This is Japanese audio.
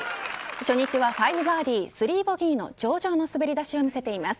初日は５バーディー３ボギーの上々の滑り出しを見せています。